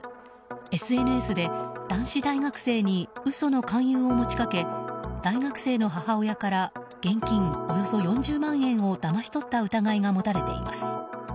ＳＮＳで男子大学生に嘘の勧誘を持ち掛け大学生の母親から現金およそ４０万円をだまし取った疑いが持たれています。